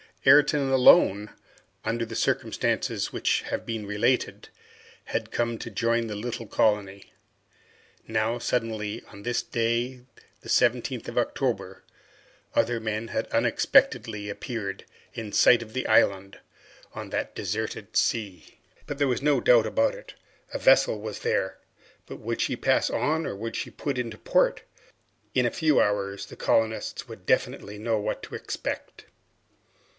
Ayrton, alone, under the circumstances which have been related, had come to join the little colony. Now, suddenly, on this day, the 17th of October, other men had unexpectedly appeared in sight of the island, on that deserted sea! There could be no doubt about it! A vessel was there! But would she pass on, or would she put into port? In a few hours the colonists would definitely know what to expect.